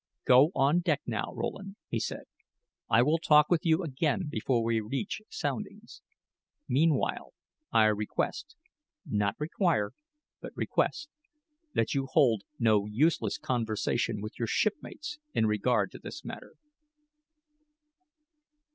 "Go on deck, now, Rowland," he said; "I will talk with you again before we reach soundings. Meanwhile, I request not require, but request that you hold no useless conversation with your shipmates in regard to this matter."